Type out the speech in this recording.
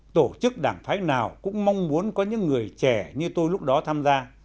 tổ chức đảng phái nào cũng mong muốn có những người trẻ như tôi lúc đó tham gia